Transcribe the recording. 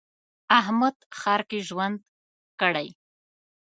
احمد ښار کې ژوند کړی.